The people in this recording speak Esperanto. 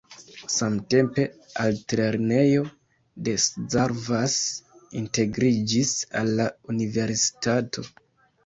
Samtempe altlernejo de Szarvas integriĝis al la universitato.